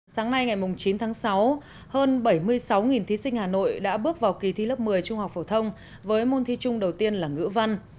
sáng nay ngày chín tháng sáu hơn bảy mươi sáu thí sinh hà nội đã bước vào kỳ thi lớp một mươi trung học phổ thông với môn thi chung đầu tiên là ngữ văn